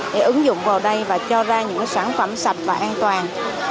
để ứng dụng vào đây và cho ra những sản phẩm sạch và an toàn